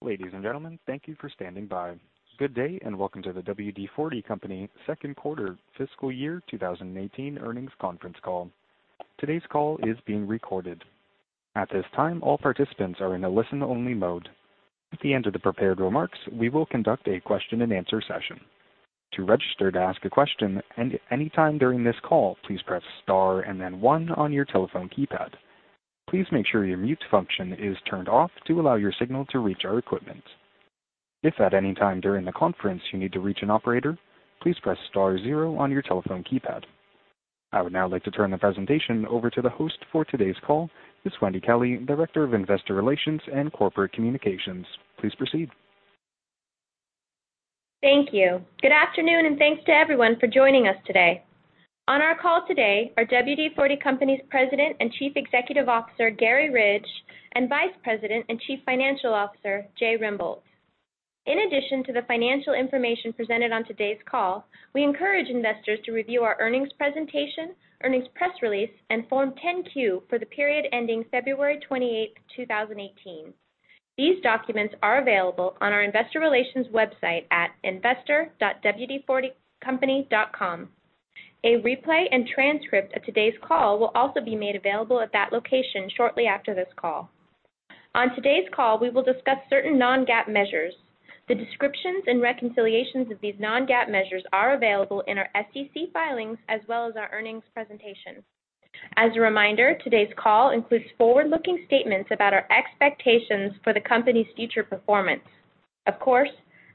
Ladies and gentlemen, thank you for standing by. Good day, and welcome to the WD-40 Company second quarter fiscal year 2018 earnings conference call. Today's call is being recorded. At this time, all participants are in a listen-only mode. At the end of the prepared remarks, we will conduct a question and answer session. To register to ask a question at any time during this call, please press star and then one on your telephone keypad. Please make sure your mute function is turned off to allow your signal to reach our equipment. If at any time during the conference you need to reach an operator, please press star zero on your telephone keypad. I would now like to turn the presentation over to the host for today's call, Ms. Wendy Kelley, Director of Investor Relations and Corporate Communications. Please proceed. Thank you. Good afternoon and thanks to everyone for joining us today. On our call today are WD-40 Company's President and Chief Executive Officer, Garry Ridge, and Vice President and Chief Financial Officer, Jay Rembolt. In addition to the financial information presented on today's call, we encourage investors to review our earnings presentation, earnings press release, and Form 10-Q for the period ending February 28, 2018. These documents are available on our investor relations website at investor.wd40company.com. A replay and transcript of today's call will also be made available at that location shortly after this call. On today's call, we will discuss certain non-GAAP measures. The descriptions and reconciliations of these non-GAAP measures are available in our SEC filings as well as our earnings presentation. As a reminder, today's call includes forward-looking statements about our expectations for the company's future performance. Of course,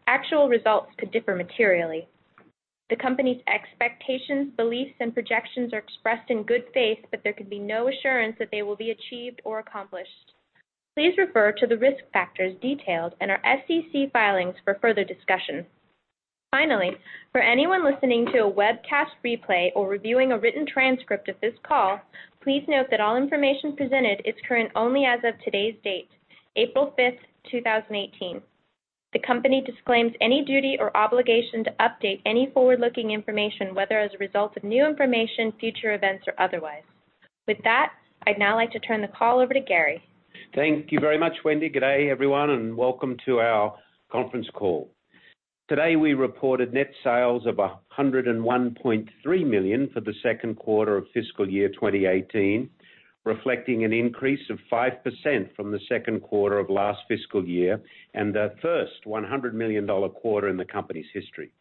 actual results could differ materially. The company's expectations, beliefs, and projections are expressed in good faith, but there can be no assurance that they will be achieved or accomplished. Please refer to the risk factors detailed in our SEC filings for further discussion. Finally, for anyone listening to a webcast replay or reviewing a written transcript of this call, please note that all information presented is current only as of today's date, April 5th, 2018. The company disclaims any duty or obligation to update any forward-looking information, whether as a result of new information, future events, or otherwise. With that, I'd now like to turn the call over to Garry. Thank you very much, Wendy. Good day, everyone, and welcome to our conference call. Today, we reported net sales of $101.3 million for the second quarter of fiscal year 2018, reflecting an increase of 5% from the second quarter of last fiscal year and the first $100 million quarter in the company's history.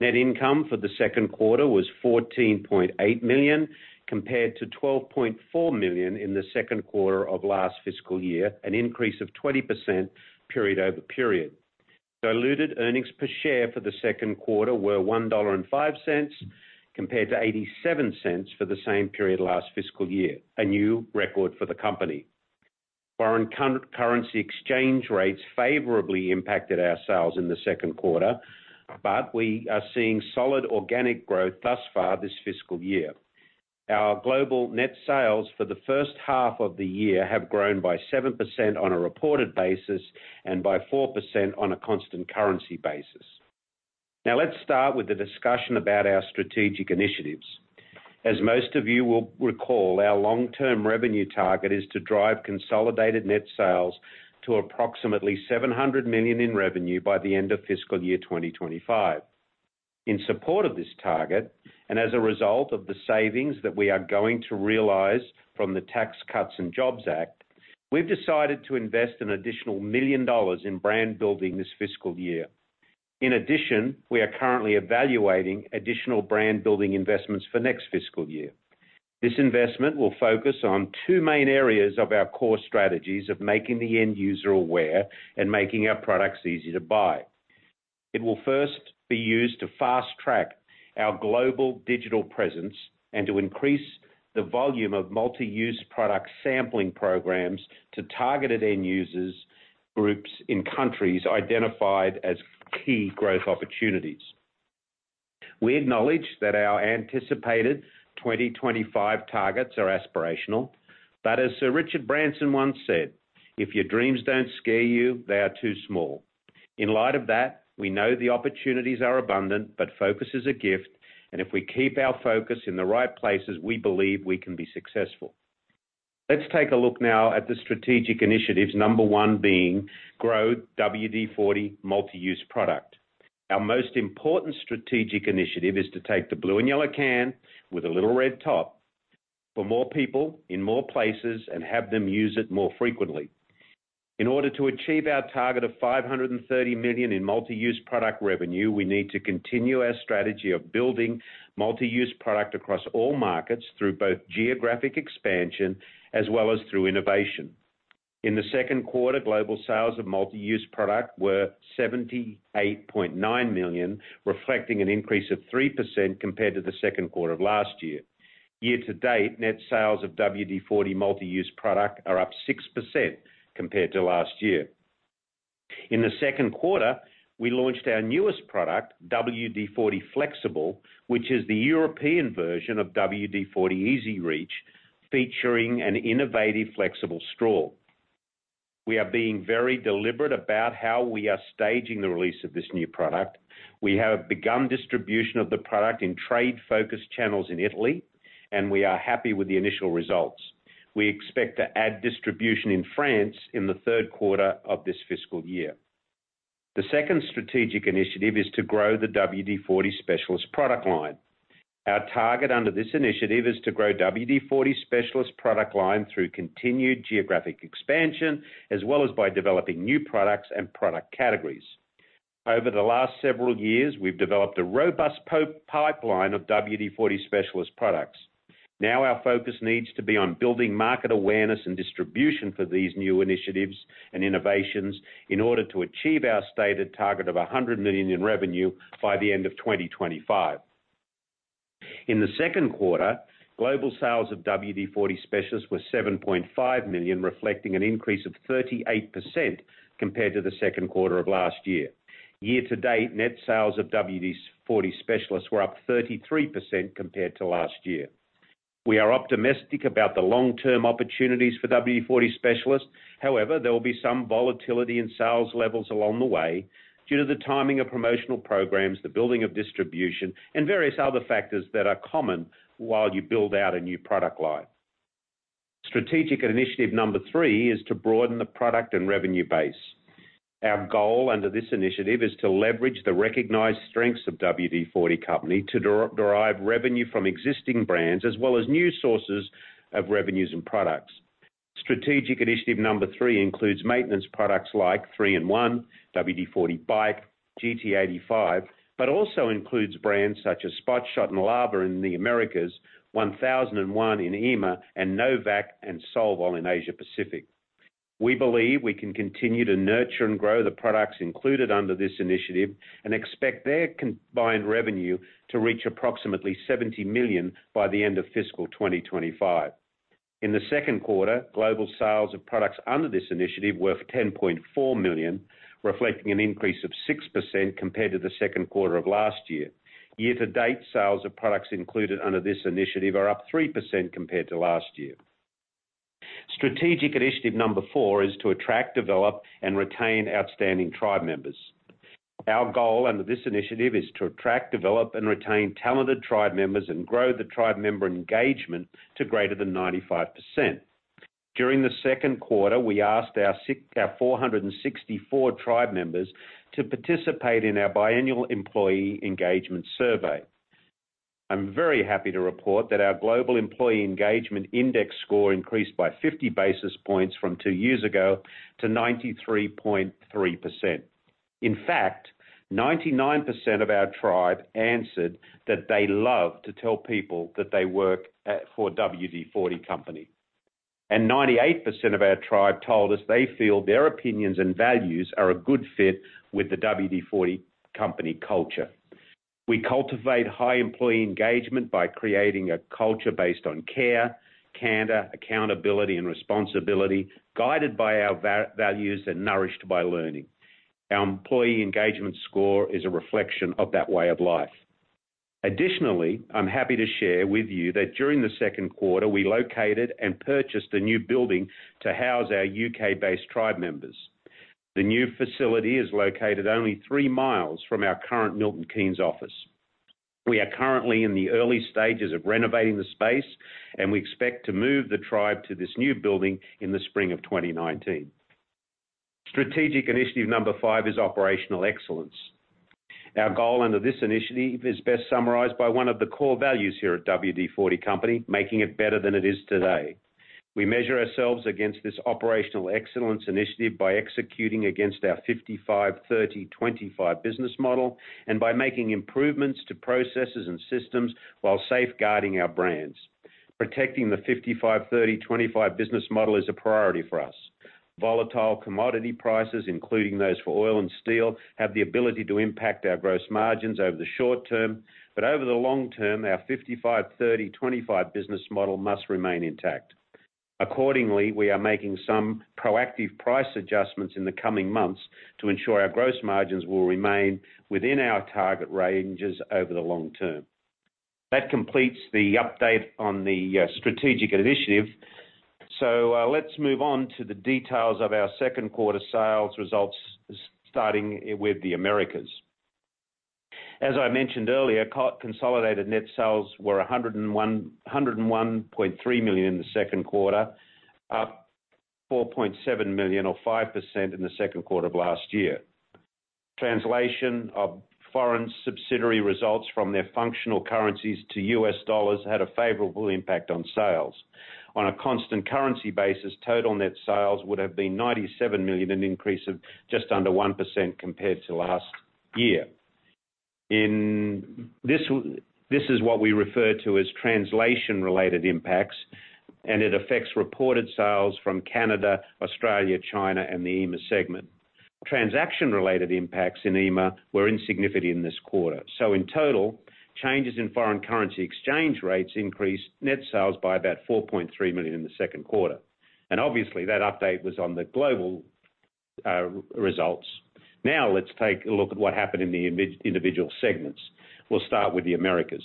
Net income for the second quarter was $14.8 million, compared to $12.4 million in the second quarter of last fiscal year, an increase of 20% period over period. Diluted earnings per share for the second quarter were $1.05 compared to $0.87 for the same period last fiscal year, a new record for the company. Foreign currency exchange rates favorably impacted our sales in the second quarter, but we are seeing solid organic growth thus far this fiscal year. Our global net sales for the first half of the year have grown by 7% on a reported basis and by 4% on a constant currency basis. Now let's start with the discussion about our strategic initiatives. As most of you will recall, our long-term revenue target is to drive consolidated net sales to approximately $700 million in revenue by the end of fiscal year 2025. In support of this target, and as a result of the savings that we are going to realize from the Tax Cuts and Jobs Act, we've decided to invest an additional $1 million in brand building this fiscal year. In addition, we are currently evaluating additional brand building investments for next fiscal year. This investment will focus on two main areas of our core strategies of making the end user aware and making our products easy to buy. It will first be used to fast-track our global digital presence and to increase the volume of Multi-Use Product sampling programs to targeted end users, groups in countries identified as key growth opportunities. We acknowledge that our anticipated 2025 targets are aspirational, but as Sir Richard Branson once said, "If your dreams don't scare you, they are too small." In light of that, we know the opportunities are abundant, but focus is a gift, and if we keep our focus in the right places, we believe we can be successful. Let's take a look now at the strategic initiatives, number one being grow WD-40 Multi-Use Product. Our most important strategic initiative is to take the blue and yellow can with a little red top for more people in more places and have them use it more frequently. In order to achieve our target of $530 million in Multi-Use Product revenue, we need to continue our strategy of building Multi-Use Product across all markets through both geographic expansion as well as through innovation. In the second quarter, global sales of Multi-Use Product were $78.9 million, reflecting an increase of 3% compared to the second quarter of last year. Year-to-date, net sales of WD-40 Multi-Use Product are up 6% compared to last year. In the second quarter, we launched our newest product, WD-40 Flexible, which is the European version of WD-40 EZ-REACH, featuring an innovative flexible straw. We are being very deliberate about how we are staging the release of this new product. We have begun distribution of the product in trade-focused channels in Italy, and we are happy with the initial results. We expect to add distribution in France in the third quarter of this fiscal year. The second strategic initiative is to grow the WD-40 Specialist product line. Our target under this initiative is to grow WD-40 Specialist product line through continued geographic expansion, as well as by developing new products and product categories. Over the last several years, we've developed a robust pipeline of WD-40 Specialist products. Now our focus needs to be on building market awareness and distribution for these new initiatives and innovations in order to achieve our stated target of $100 million in revenue by the end of 2025. In the second quarter, global sales of WD-40 Specialist were $7.5 million, reflecting an increase of 38% compared to the second quarter of last year. Year-to-date, net sales of WD-40 Specialist were up 33% compared to last year. We are optimistic about the long-term opportunities for WD-40 Specialist. However, there will be some volatility in sales levels along the way due to the timing of promotional programs, the building of distribution, and various other factors that are common while you build out a new product line. Strategic Initiative number 3 is to broaden the product and revenue base. Our goal under this initiative is to leverage the recognized strengths of WD-40 Company to derive revenue from existing brands, as well as new sources of revenues and products. Strategic Initiative number 3 includes maintenance products like 3-IN-ONE, WD-40 BIKE, GT85, but also includes brands such as Spot Shot and Lava in the Americas, 1001 in EMEA, and no vac and Solvol in Asia Pacific. We believe we can continue to nurture and grow the products included under this initiative and expect their combined revenue to reach approximately $70 million by the end of FY 2025. In the second quarter, global sales of products under this initiative were $10.4 million, reflecting an increase of 6% compared to the second quarter of last year. Year-to-date, sales of products included under this initiative are up 3% compared to last year. Strategic Initiative number 4 is to attract, develop, and retain outstanding tribe members. Our goal under this initiative is to attract, develop, and retain talented tribe members and grow the tribe member engagement to greater than 95%. During the second quarter, we asked our 464 tribe members to participate in our biannual employee engagement survey. I'm very happy to report that our global employee engagement index score increased by 50 basis points from two years ago to 93.3%. In fact, 99% of our tribe answered that they love to tell people that they work for WD-40 Company. 98% of our tribe told us they feel their opinions and values are a good fit with the WD-40 Company culture. We cultivate high employee engagement by creating a culture based on care, candor, accountability, and responsibility, guided by our values and nourished by learning. Our employee engagement score is a reflection of that way of life. Additionally, I'm happy to share with you that during the second quarter, we located and purchased a new building to house our U.K.-based tribe members. The new facility is located only three miles from our current Milton Keynes office. We are currently in the early stages of renovating the space, and we expect to move the tribe to this new building in the spring of 2019. Strategic Initiative number 5 is Operational Excellence. Our goal under this initiative is best summarized by one of the core values here at WD-40 Company, making it better than it is today. We measure ourselves against this Operational Excellence initiative by executing against our 55/30/25 business model and by making improvements to processes and systems while safeguarding our brands. Protecting the 55/30/25 business model is a priority for us. Volatile commodity prices, including those for oil and steel, have the ability to impact our gross margins over the short term, but over the long term, our 55/30/25 business model must remain intact. Accordingly, we are making some proactive price adjustments in the coming months to ensure our gross margins will remain within our target ranges over the long term. That completes the update on the Strategic Initiative. Let's move on to the details of our second quarter sales results, starting with the Americas. As I mentioned earlier, consolidated net sales were $101.3 million in the second quarter, up $4.7 million or 5% in the second quarter of last year. Translation of foreign subsidiary results from their functional currencies to U.S. dollars had a favorable impact on sales. On a constant currency basis, total net sales would have been $97 million, an increase of just under 1% compared to last year. This is what we refer to as translation-related impacts, and it affects reported sales from Canada, Australia, China, and the EMEA segment. Transaction-related impacts in EMEA were insignificant this quarter. In total, changes in foreign currency exchange rates increased net sales by about $4.3 million in the second quarter. Obviously, that update was on the global results. Let's take a look at what happened in the individual segments. We'll start with the Americas.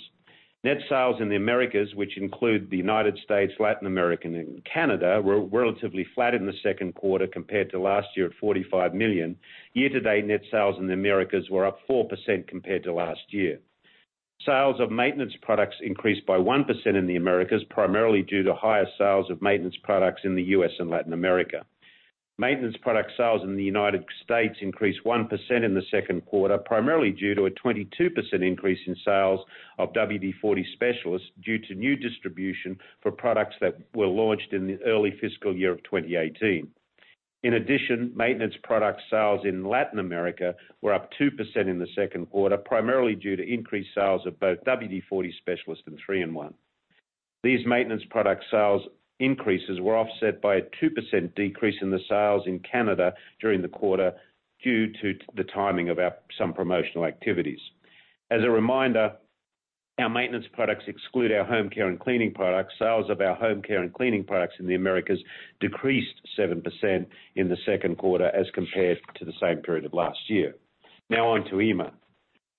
Net sales in the Americas, which include the United States, Latin America, and Canada, were relatively flat in the second quarter compared to last year at $45 million. Year-to-date net sales in the Americas were up 4% compared to last year. Sales of maintenance products increased by 1% in the Americas, primarily due to higher sales of maintenance products in the U.S. and Latin America. Maintenance product sales in the United States increased 1% in the second quarter, primarily due to a 22% increase in sales of WD-40 Specialist due to new distribution for products that were launched in the early fiscal year of 2018. In addition, maintenance product sales in Latin America were up 2% in the second quarter, primarily due to increased sales of both WD-40 Specialist and 3-IN-ONE. These maintenance product sales increases were offset by a 2% decrease in the sales in Canada during the quarter due to the timing of some promotional activities. As a reminder, our maintenance products exclude our home care and cleaning products. Sales of our home care and cleaning products in the Americas decreased 7% in the second quarter as compared to the same period of last year. On to EMEA.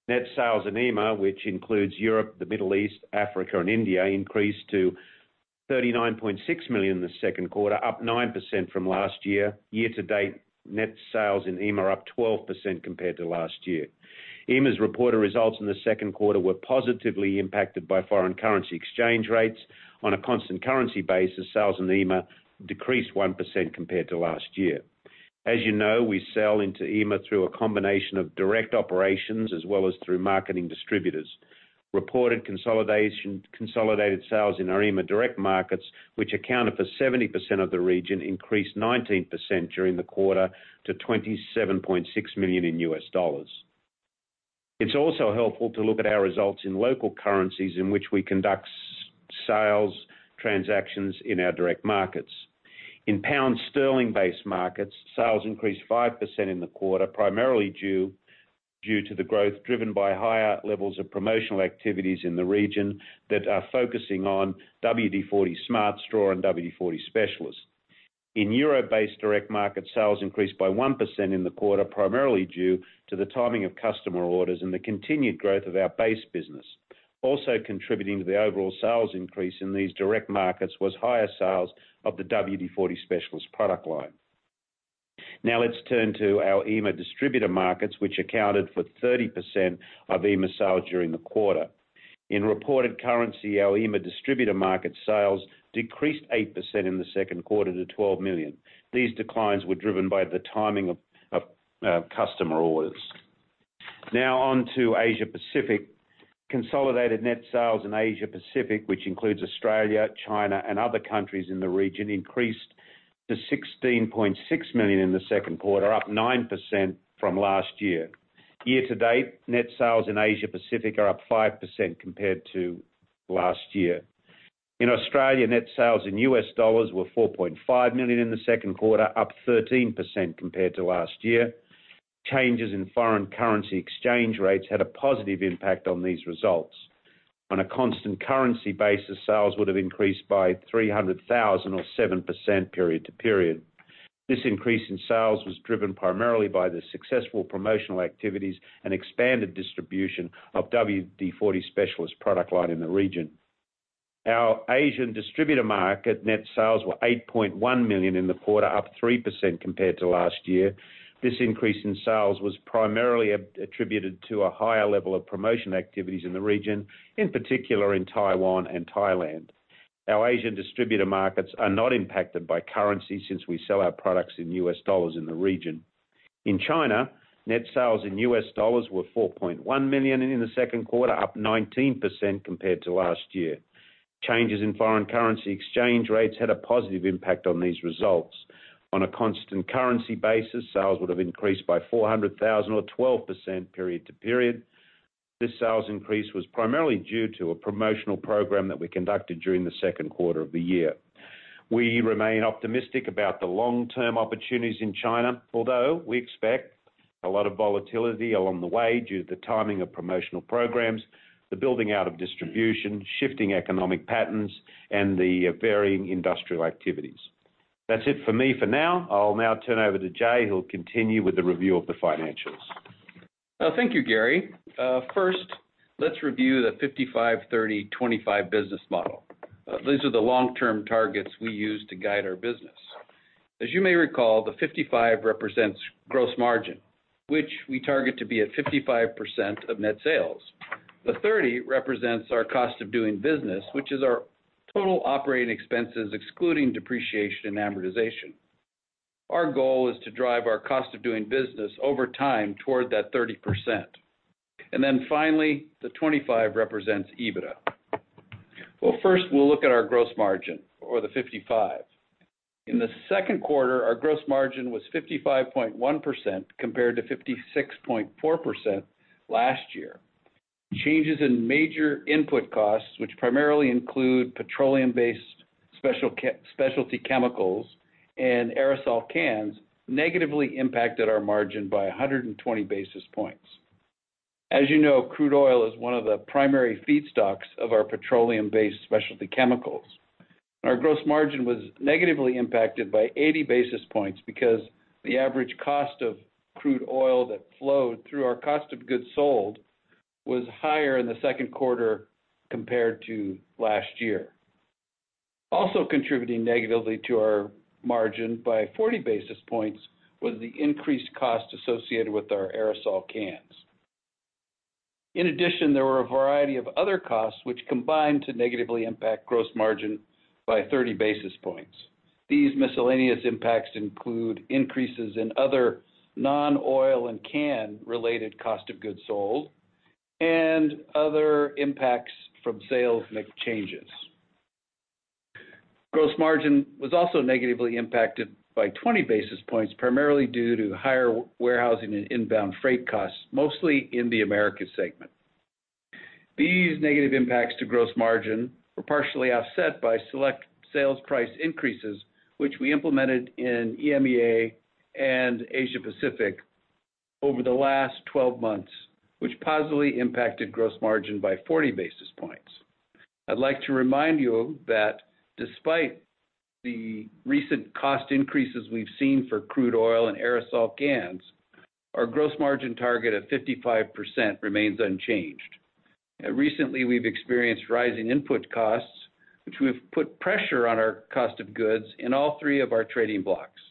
Net sales in EMEA, which includes Europe, the Middle East, Africa and India, increased to $39.6 million in the second quarter, up 9% from last year. Year to date, net sales in EMEA are up 12% compared to last year. EMEA's reported results in the second quarter were positively impacted by foreign currency exchange rates. On a constant currency basis, sales in EMEA decreased 1% compared to last year. As you know, we sell into EMEA through a combination of direct operations as well as through marketing distributors. Reported consolidated sales in our EMEA direct markets, which accounted for 70% of the region, increased 19% during the quarter to $27.6 million in U.S. dollars. It's also helpful to look at our results in local currencies in which we conduct sales transactions in our direct markets. In pound sterling-based markets, sales increased 5% in the quarter, primarily due to the growth driven by higher levels of promotional activities in the region that are focusing on WD-40 Smart Straw and WD-40 Specialist. In euro-based direct market, sales increased by 1% in the quarter, primarily due to the timing of customer orders and the continued growth of our base business. Also contributing to the overall sales increase in these direct markets was higher sales of the WD-40 Specialist product line. Let's turn to our EMEA distributor markets, which accounted for 30% of EMEA sales during the quarter. In reported currency, our EMEA distributor market sales decreased 8% in the second quarter to $12 million. These declines were driven by the timing of customer orders. On to Asia Pacific. Consolidated net sales in Asia Pacific, which includes Australia, China, and other countries in the region, increased to $16.6 million in the second quarter, up 9% from last year. Year to date, net sales in Asia Pacific are up 5% compared to last year. In Australia, net sales in U.S. dollars were $4.5 million in the second quarter, up 13% compared to last year. Changes in foreign currency exchange rates had a positive impact on these results. On a constant currency basis, sales would have increased by $300,000 or 7% period to period. This increase in sales was driven primarily by the successful promotional activities and expanded distribution of WD-40 Specialist product line in the region. Our Asian distributor market net sales were $8.1 million in the quarter, up 3% compared to last year. This increase in sales was primarily attributed to a higher level of promotion activities in the region, in particular in Taiwan and Thailand. Our Asian distributor markets are not impacted by currency since we sell our products in U.S. dollars in the region. In China, net sales in U.S. dollars were $4.1 million in the second quarter, up 19% compared to last year. Changes in foreign currency exchange rates had a positive impact on these results. On a constant currency basis, sales would have increased by $400,000 or 12% period to period. This sales increase was primarily due to a promotional program that we conducted during the second quarter of the year. We remain optimistic about the long-term opportunities in China, although we expect a lot of volatility along the way due to the timing of promotional programs, the building out of distribution, shifting economic patterns, and the varying industrial activities. That's it for me for now. I'll now turn over to Jay, who'll continue with the review of the financials. Thank you, Garry. Let's review the 55/30/25 business model. These are the long-term targets we use to guide our business. As you may recall, the 55 represents gross margin, which we target to be at 55% of net sales. The 30 represents our cost of doing business, which is our total operating expenses excluding depreciation and amortization. Our goal is to drive our cost of doing business over time toward that 30%. Finally, the 25 represents EBITDA. Well, we'll look at our gross margin, or the 55. In the second quarter, our gross margin was 55.1% compared to 56.4% last year. Changes in major input costs, which primarily include petroleum-based specialty chemicals and aerosol cans, negatively impacted our margin by 120 basis points. As you know, crude oil is one of the primary feedstocks of our petroleum-based specialty chemicals. Our gross margin was negatively impacted by 80 basis points because the average cost of crude oil that flowed through our cost of goods sold was higher in the second quarter compared to last year. Also contributing negatively to our margin by 40 basis points was the increased cost associated with our aerosol cans. In addition, there were a variety of other costs which combined to negatively impact gross margin by 30 basis points. These miscellaneous impacts include increases in other non-oil and can-related cost of goods sold and other impacts from sales mix changes. Gross margin was also negatively impacted by 20 basis points, primarily due to higher warehousing and inbound freight costs, mostly in the Americas segment. These negative impacts to gross margin were partially offset by select sales price increases, which we implemented in EMEA and Asia Pacific over the last 12 months, which positively impacted gross margin by 40 basis points. I'd like to remind you that despite the recent cost increases we've seen for crude oil and aerosol cans, our gross margin target of 55% remains unchanged. Recently, we've experienced rising input costs, which have put pressure on our cost of goods in all three of our trading blocks.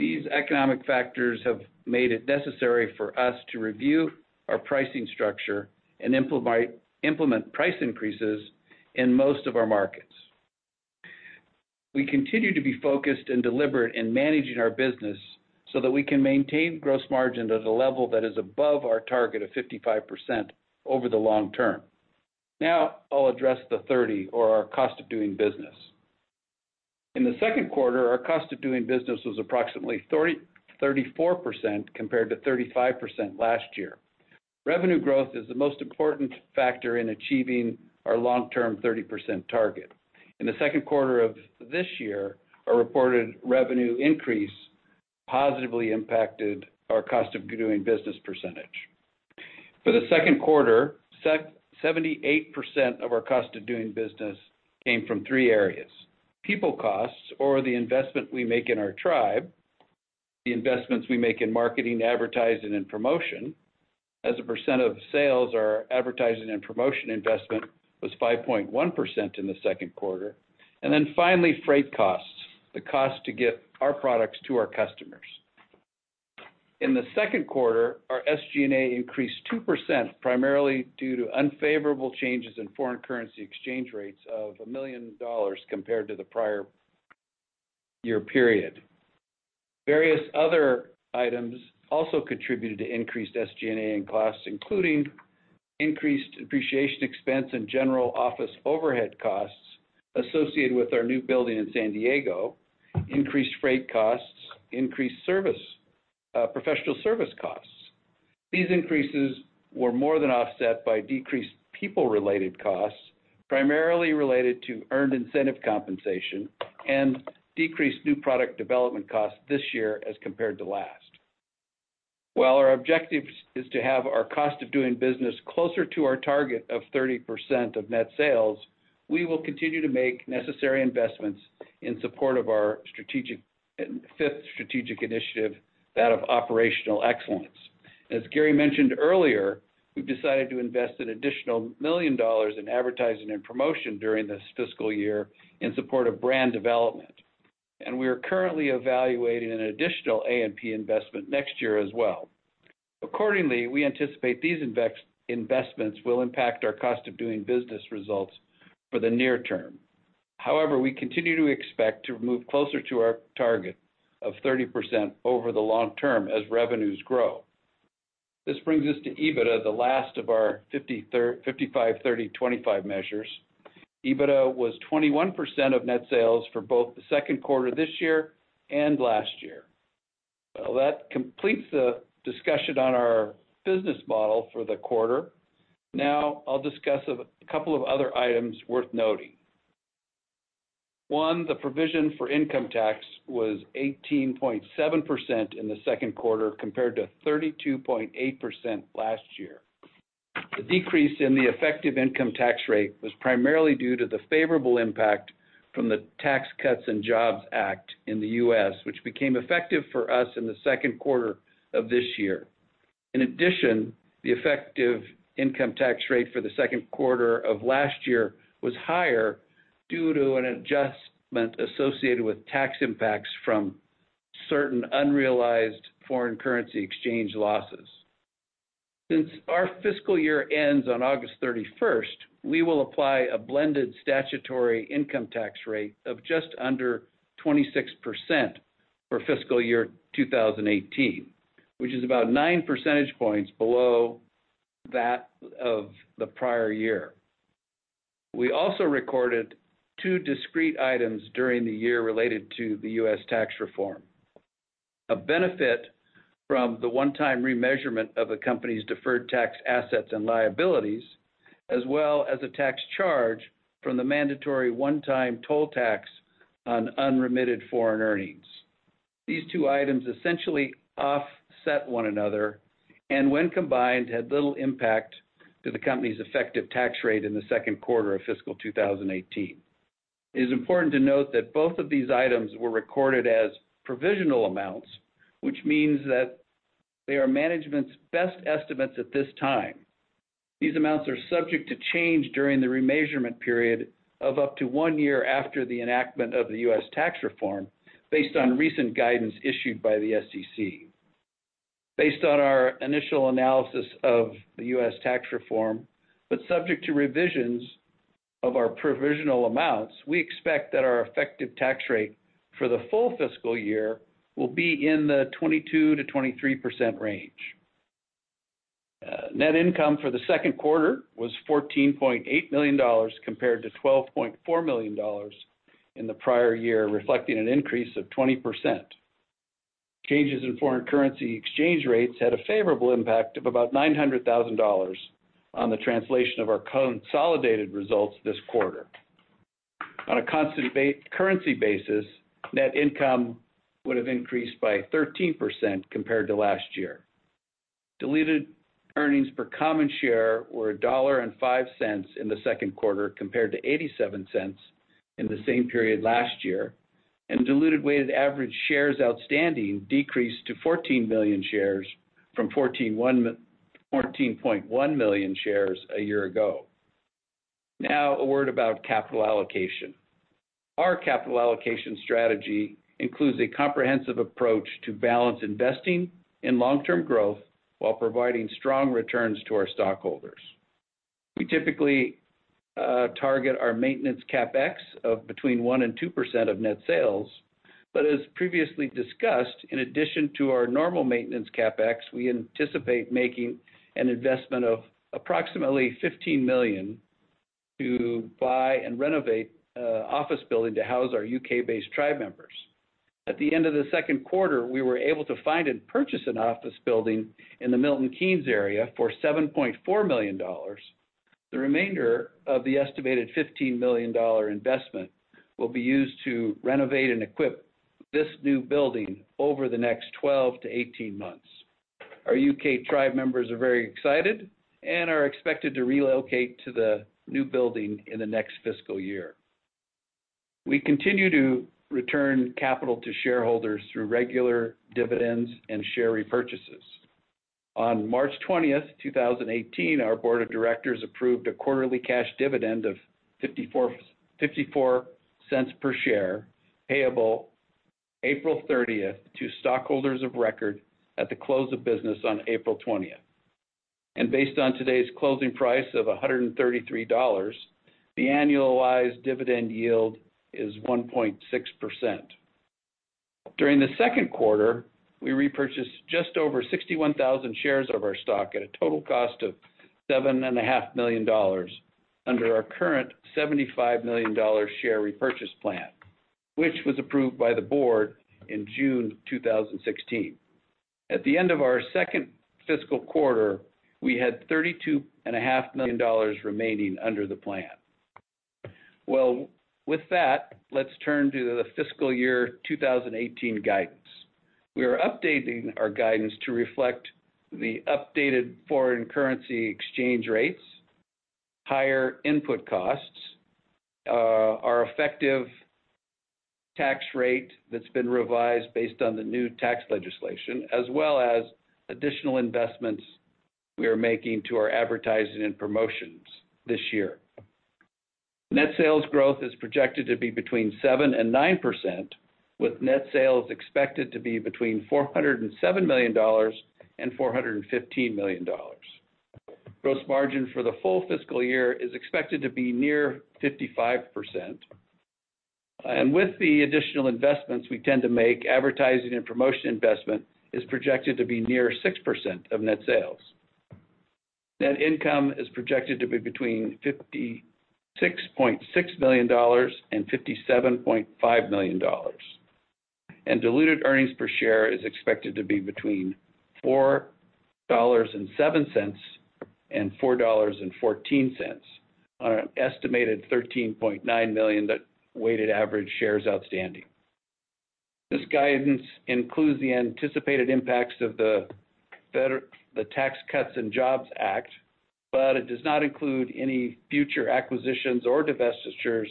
These economic factors have made it necessary for us to review our pricing structure and implement price increases in most of our markets. We continue to be focused and deliberate in managing our business so that we can maintain gross margin at a level that is above our target of 55% over the long term. Now I'll address the 30, or our cost of doing business. In the second quarter, our cost of doing business was approximately 34% compared to 35% last year. Revenue growth is the most important factor in achieving our long-term 30% target. In the second quarter of this year, a reported revenue increase positively impacted our cost of doing business percentage. For the second quarter, 78% of our cost of doing business came from three areas. People costs, or the investment we make in our tribe, the investments we make in marketing, advertising, and promotion. As a percent of sales, our advertising and promotion investment was 5.1% in the second quarter. Finally, freight costs, the cost to get our products to our customers. In the second quarter, our SG&A increased 2%, primarily due to unfavorable changes in foreign currency exchange rates of $1 million compared to the prior year period. Various other items also contributed to increased SG&A in costs, including increased depreciation expense and general office overhead costs associated with our new building in San Diego, increased freight costs, increased professional service costs. These increases were more than offset by decreased people-related costs, primarily related to earned incentive compensation and decreased new product development costs this year as compared to last. While our objective is to have our cost of doing business closer to our target of 30% of net sales, we will continue to make necessary investments in support of our fifth strategic initiative, that of Operational Excellence. As Garry mentioned earlier, we've decided to invest an additional $1 million in advertising and promotion during this fiscal year in support of brand development, and we are currently evaluating an additional A&P investment next year as well. Accordingly, we anticipate these investments will impact our cost of doing business results for the near term. However, we continue to expect to move closer to our target of 30% over the long term as revenues grow. This brings us to EBITDA, the last of our 55/30/25 measures. EBITDA was 21% of net sales for both the second quarter this year and last year. Well, that completes the discussion on our business model for the quarter. Now I'll discuss a couple of other items worth noting. One, the provision for income tax was 18.7% in the second quarter, compared to 32.8% last year. The decrease in the effective income tax rate was primarily due to the favorable impact from the Tax Cuts and Jobs Act in the U.S., which became effective for us in the second quarter of this year. In addition, the effective income tax rate for the second quarter of last year was higher due to an adjustment associated with tax impacts from certain unrealized foreign currency exchange losses. Since our fiscal year ends on August 31st, we will apply a blended statutory income tax rate of just under 26% for fiscal year 2018, which is about nine percentage points below that of the prior year. We also recorded two discrete items during the year related to the U.S. tax reform. A benefit from the one-time remeasurement of the company's deferred tax assets and liabilities, as well as a tax charge from the mandatory one-time toll tax on unremitted foreign earnings. These two items essentially offset one another and, when combined, had little impact to the company's effective tax rate in the second quarter of fiscal 2018. It is important to note that both of these items were recorded as provisional amounts, which means that they are management's best estimates at this time. These amounts are subject to change during the remeasurement period of up to one year after the enactment of the U.S. tax reform based on recent guidance issued by the SEC. Based on our initial analysis of the U.S. tax reform, but subject to revisions of our provisional amounts, we expect that our effective tax rate for the full fiscal year will be in the 22%-23% range. Net income for the second quarter was $14.8 million compared to $12.4 million in the prior year, reflecting an increase of 20%. Changes in foreign currency exchange rates had a favorable impact of about $900,000 on the translation of our consolidated results this quarter. On a constant currency basis, net income would have increased by 13% compared to last year. Diluted earnings per common share were $1.05 in the second quarter, compared to $0.87 in the same period last year, and diluted weighted average shares outstanding decreased to 14 million shares from 14.1 million shares a year ago. Now, a word about capital allocation. Our capital allocation strategy includes a comprehensive approach to balance investing in long-term growth while providing strong returns to our stockholders. We typically target our maintenance CapEx of between 1% and 2% of net sales. As previously discussed, in addition to our normal maintenance CapEx, we anticipate making an investment of approximately $15 million to buy and renovate an office building to house our U.K.-based tribe members. At the end of the second quarter, we were able to find and purchase an office building in the Milton Keynes area for $7.4 million. The remainder of the estimated $15 million investment will be used to renovate and equip this new building over the next 12 to 18 months. Our U.K. tribe members are very excited and are expected to relocate to the new building in the next fiscal year. We continue to return capital to shareholders through regular dividends and share repurchases. On March 20th, 2018, our board of directors approved a quarterly cash dividend of $0.54 per share, payable April 30th to stockholders of record at the close of business on April 20th. Based on today's closing price of $133, the annualized dividend yield is 1.6%. During the second quarter, we repurchased just over 61,000 shares of our stock at a total cost of $7.5 million under our current $75 million share repurchase plan, which was approved by the board in June 2016. At the end of our second fiscal quarter, we had $32.5 million remaining under the plan. Well, with that, let's turn to the fiscal year 2018 guidance. We are updating our guidance to reflect the updated foreign currency exchange rates, higher input costs, our effective tax rate that's been revised based on the new tax legislation, as well as additional investments we are making to our advertising and promotions this year. Net sales growth is projected to be between 7% and 9%, with net sales expected to be between $407 million and $415 million. Gross margin for the full fiscal year is expected to be near 55%. With the additional investments we tend to make, advertising and promotion investment is projected to be near 6% of net sales. Net income is projected to be between $56.6 million and $57.5 million. Diluted earnings per share is expected to be between $4.07 and $4.14 on an estimated 13.9 million weighted average shares outstanding. This guidance includes the anticipated impacts of the Tax Cuts and Jobs Act, but it does not include any future acquisitions or divestitures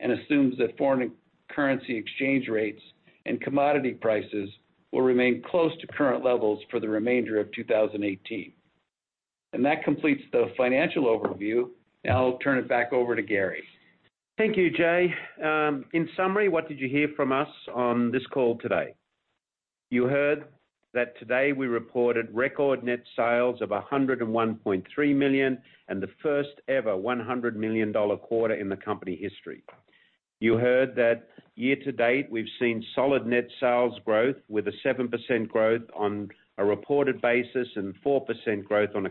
and assumes that foreign currency exchange rates and commodity prices will remain close to current levels for the remainder of 2018. That completes the financial overview. Now I'll turn it back over to Garry. Thank you, Jay. In summary, what did you hear from us on this call today? You heard that today we reported record net sales of $101.3 million and the first ever $100 million quarter in the company history. You heard that year to date, we've seen solid net sales growth with a 7% growth on a reported basis and 4% growth on a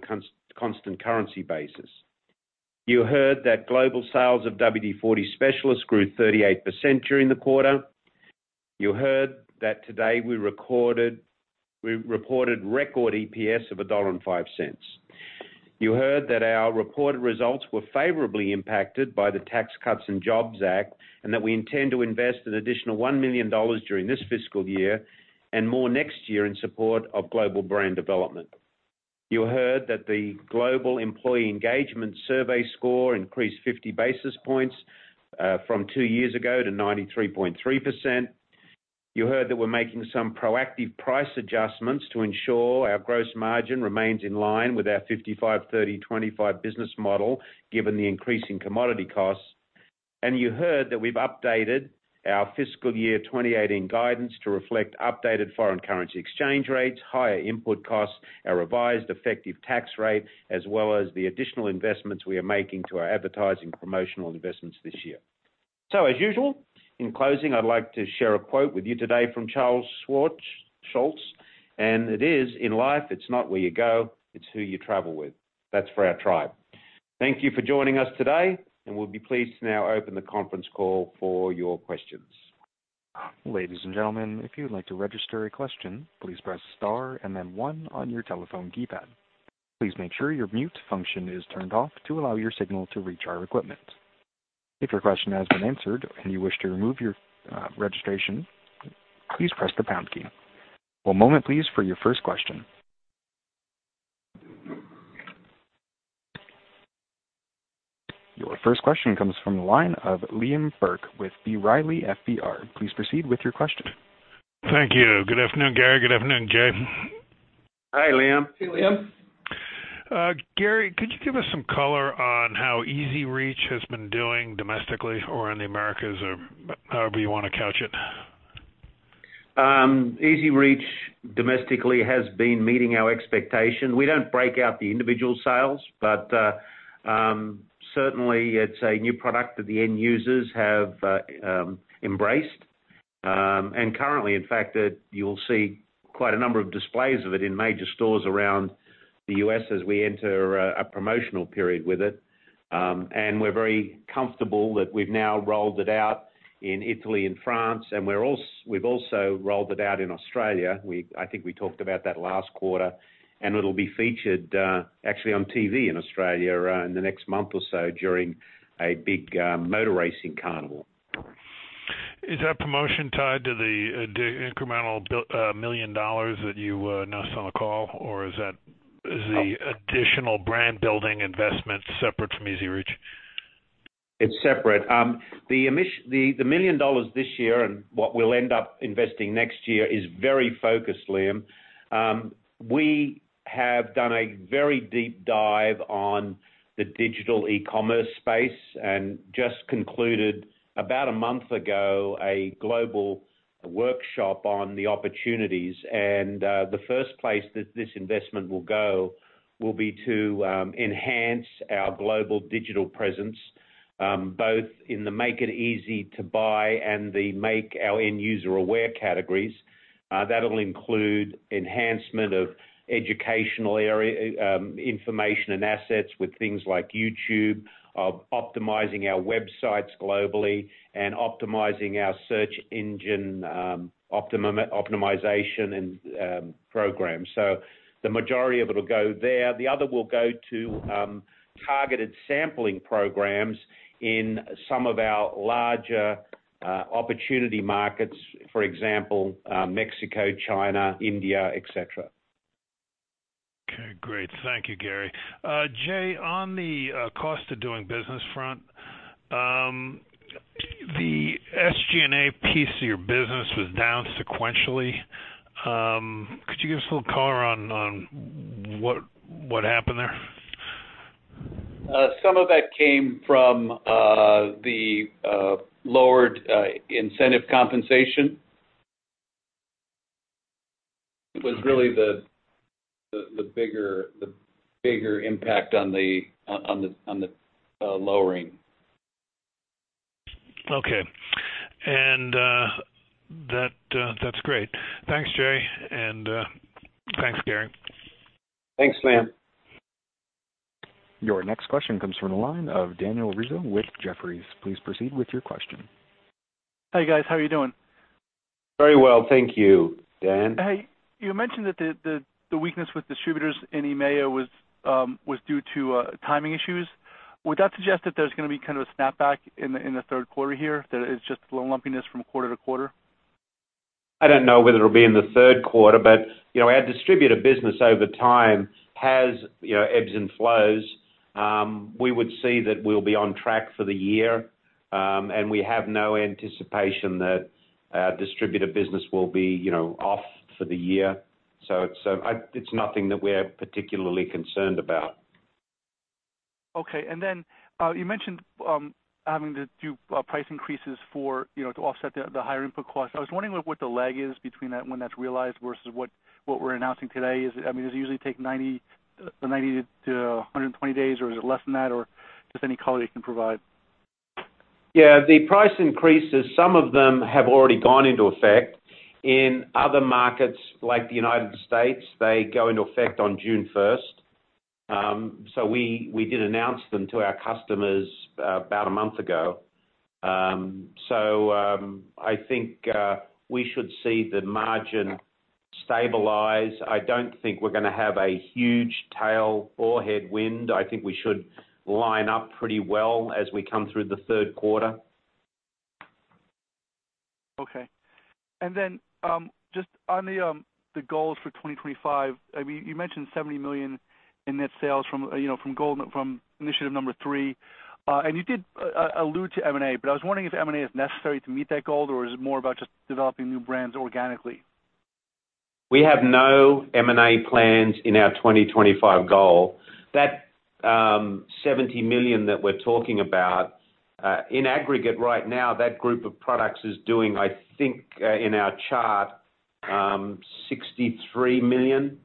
constant currency basis. You heard that global sales of WD-40 Specialist grew 38% during the quarter. You heard that today we reported record EPS of $1.05. You heard that our reported results were favorably impacted by the Tax Cuts and Jobs Act, that we intend to invest an additional $1 million during this fiscal year and more next year in support of global brand development. You heard that the global employee engagement survey score increased 50 basis points from two years ago to 93.3%. You heard that we're making some proactive price adjustments to ensure our gross margin remains in line with our 55/30/25 business model, given the increase in commodity costs. You heard that we've updated our fiscal year 2018 guidance to reflect updated foreign currency exchange rates, higher input costs, our revised effective tax rate, as well as the additional investments we are making to our advertising promotional investments this year. As usual, in closing, I'd like to share a quote with you today from Charles Schulz, and it is: "In life, it's not where you go, it's who you travel with." That's for our tribe. Thank you for joining us today, and we'll be pleased to now open the conference call for your questions. Ladies and gentlemen, if you would like to register a question, please press star and then one on your telephone keypad. Please make sure your mute function is turned off to allow your signal to reach our equipment. If your question has been answered and you wish to remove your registration, please press the pound key. One moment please, for your first question. Your first question comes from the line of Liam Burke with B. Riley FBR. Please proceed with your question. Thank you. Good afternoon, Garry. Good afternoon, Jay. Hi, Liam. Hey, Liam. Garry, could you give us some color on how EZ-REACH has been doing domestically or in the Americas, or however you want to couch it? EZ-REACH domestically has been meeting our expectation. We don't break out the individual sales, but certainly, it's a new product that the end users have embraced. Currently, in fact, you'll see quite a number of displays of it in major stores around the U.S. as we enter a promotional period with it. We're very comfortable that we've now rolled it out in Italy and France, and we've also rolled it out in Australia. I think we talked about that last quarter, and it'll be featured actually on TV in Australia in the next month or so during a big motor racing carnival. Is that promotion tied to the incremental $1 million that you announced on the call, or is the additional brand-building investment separate from EZ-REACH? It's separate. The $1 million this year and what we'll end up investing next year is very focused, Liam. We have done a very deep dive on the digital e-commerce space and just concluded about a month ago, a global workshop on the opportunities. The first place that this investment will go will be to enhance our global digital presence, both in the make-it-easy-to-buy and the make-our-end-user-aware categories. That'll include enhancement of educational area information and assets with things like YouTube, optimizing our websites globally, and optimizing our search engine optimization and programs. The majority of it'll go there. The other will go to targeted sampling programs in some of our larger opportunity markets, for example, Mexico, China, India, et cetera. Okay, great. Thank you, Garry. Jay, on the cost of doing business front, the SG&A piece of your business was down sequentially. Could you give us a little color on what happened there? Some of that came from the lowered incentive compensation. It was really the bigger impact on the lowering. Okay. That's great. Thanks, Jay, and thanks, Garry. Thanks, Liam. Your next question comes from the line of Daniel Rizzo with Jefferies. Please proceed with your question. Hi, guys. How are you doing? Very well, thank you, Dan. Hey, you mentioned that the weakness with distributors in EMEA was due to timing issues. Would that suggest that there's going to be kind of a snapback in the third quarter here, that it's just a little lumpiness from quarter to quarter? I don't know whether it'll be in the third quarter, our distributor business over time has ebbs and flows. We would see that we'll be on track for the year, we have no anticipation that distributor business will be off for the year. It's nothing that we're particularly concerned about. Okay. You mentioned having to do price increases to offset the higher input costs. I was wondering what the lag is between that, when that's realized versus what we're announcing today is. Does it usually take 90 to 120 days, or is it less than that, or just any color you can provide? Yeah. The price increases, some of them have already gone into effect. In other markets like the United States, they go into effect on June 1st. We did announce them to our customers about a month ago. I think we should see the margin stabilize. I don't think we're going to have a huge tail or headwind. I think we should line up pretty well as we come through the third quarter. Okay. Just on the goals for 2025, you mentioned $70 million in net sales from initiative number 3. You did allude to M&A, but I was wondering if M&A is necessary to meet that goal, or is it more about just developing new brands organically? We have no M&A plans in our 2025 goal. That $70 million that we're talking about, in aggregate right now, that group of products is doing, I think, in our chart, $63 million.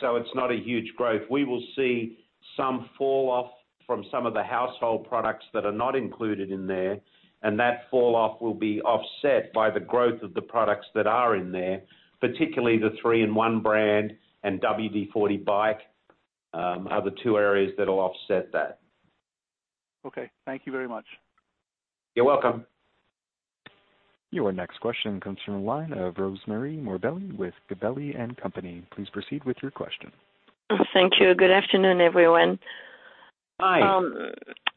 It's not a huge growth. We will see some fall off from some of the household products that are not included in there. That fall off will be offset by the growth of the products that are in there, particularly the 3-IN-ONE brand and WD-40 BIKE are the two areas that will offset that. Okay. Thank you very much. You're welcome. Your next question comes from the line of Rosemarie Morbelli with Gabelli & Company. Please proceed with your question. Thank you. Good afternoon, everyone. Hi.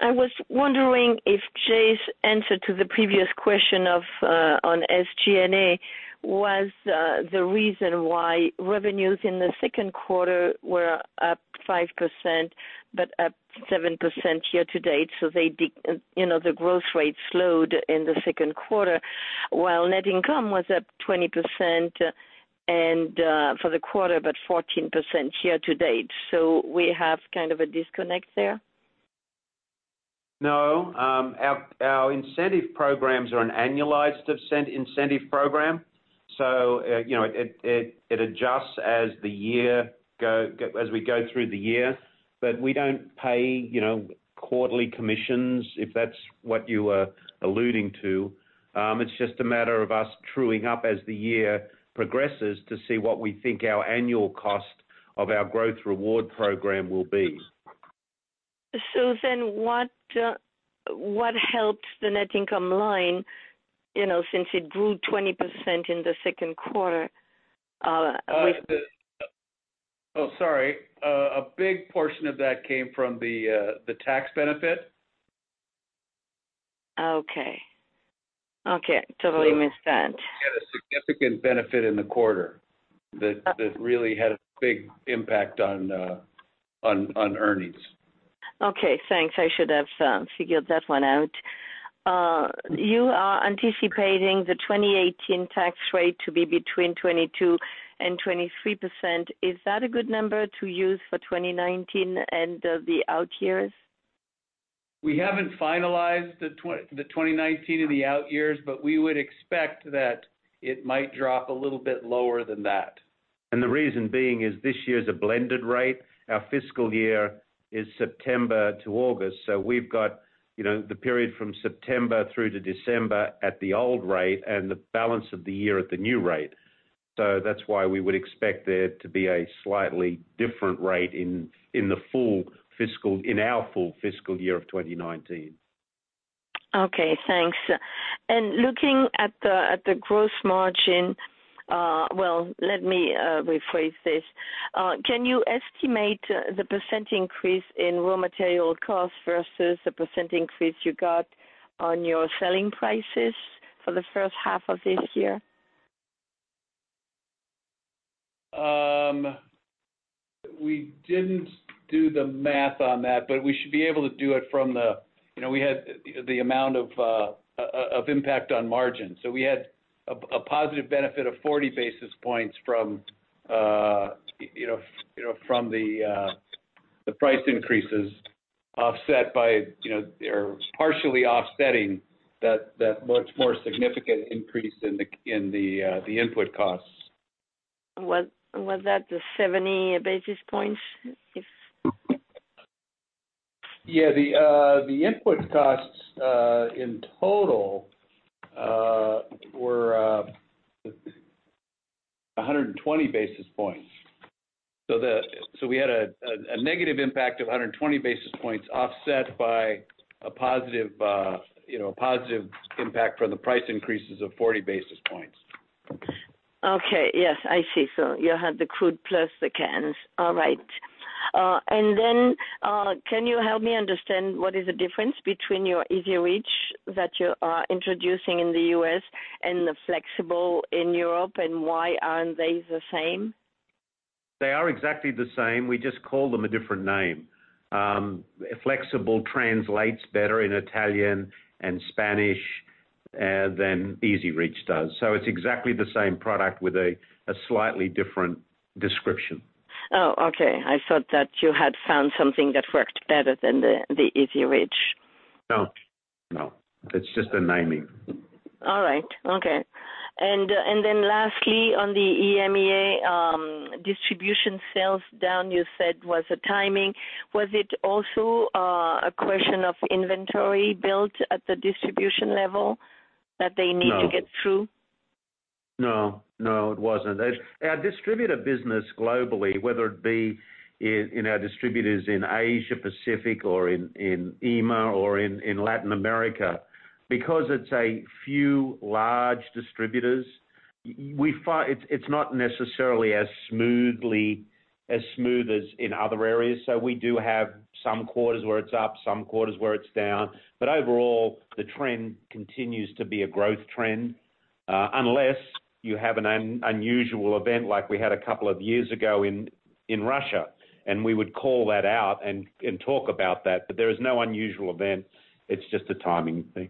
I was wondering if Jay's answer to the previous question on SG&A was the reason why revenues in the second quarter were up 5%, but up 7% year to date, so the growth rate slowed in the second quarter, while net income was up 20% for the quarter, but 14% year to date. So we have kind of a disconnect there? No, our incentive programs are an annualized incentive program. It adjusts as we go through the year. We don't pay quarterly commissions, if that's what you are alluding to. It's just a matter of us truing up as the year progresses to see what we think our annual cost of our growth reward program will be. What helped the net income line, since it grew 20% in the second quarter? Oh, sorry. A big portion of that came from the tax benefit. Okay. Totally missed that. We had a significant benefit in the quarter that really had a big impact on earnings. Okay, thanks. I should have figured that one out. You are anticipating the 2018 tax rate to be between 22% and 23%. Is that a good number to use for 2019 and the out years? We haven't finalized the 2019 or the out years, but we would expect that it might drop a little bit lower than that. The reason being is this year is a blended rate. Our fiscal year is September to August. We've got the period from September through to December at the old rate and the balance of the year at the new rate. That's why we would expect there to be a slightly different rate in our full fiscal year of 2019. Okay, thanks. Looking at the gross margin, well, let me rephrase this. Can you estimate the % increase in raw material cost versus the % increase you got on your selling prices for the first half of this year? We didn't do the math on that, but we should be able to do it from the amount of impact on margin. We had a positive benefit of 40 basis points from the price increases partially offsetting that much more significant increase in the input costs. Was that the 70 basis points? Yeah, the input costs, in total, were 120 basis points. We had a negative impact of 120 basis points offset by a positive impact from the price increases of 40 basis points. Okay. Yes, I see. You had the crude plus the cans. All right. Can you help me understand what is the difference between your EZ-REACH that you are introducing in the U.S. and the Flexible in Europe, and why aren't they the same? They are exactly the same. We just call them a different name. Flexible translates better in Italian and Spanish than EZ-REACH does. It's exactly the same product with a slightly different description. Oh, okay. I thought that you had found something that worked better than the EZ-REACH. No. It's just the naming. All right. Okay. Lastly, on the EMEA distribution sales down, you said was a timing. Was it also a question of inventory built at the distribution level that they need to get through? No. It wasn't. Our distributor business globally, whether it be in our distributors in Asia Pacific, or in EMEA, or in Latin America, because it's a few large distributors, it's not necessarily as smooth as in other areas. We do have some quarters where it's up, some quarters where it's down. Overall, the trend continues to be a growth trend. Unless you have an unusual event like we had a couple of years ago in Russia, we would call that out and talk about that. There is no unusual event. It's just a timing thing.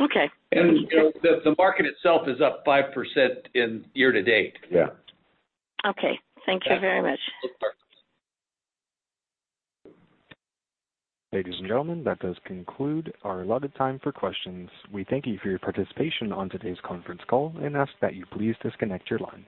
Okay. The market itself is up 5% in year-to-date. Yeah. Okay. Thank you very much. Ladies and gentlemen, that does conclude our allotted time for questions. We thank you for your participation on today's conference call and ask that you please disconnect your line.